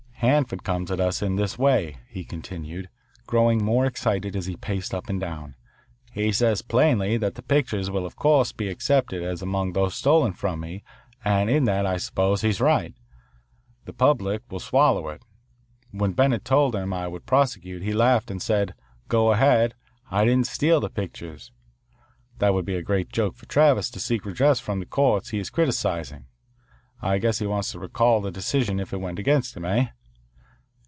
"Hanford comes at us in this way," he continued, growing more excited as he paced up and down. "He says plainly that the pictures will of course be accepted as among those stolen from me, and in that, I suppose, he is right. The public will swallow it. When Bennett told him I would prosecute he laughed and said, 'Go ahead. I didn't steal the pictures. That would be a great joke for Travis to seek redress from the courts he is criticising. I guess he'd want to recall the decision if it went against him hey?'